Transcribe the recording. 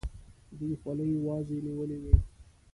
دوی خولې وازي نیولي وي.